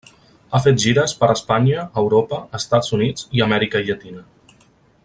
Ha fet gires per Espanya, Europa, Estats Units i Amèrica Llatina.